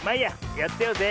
やってようぜ。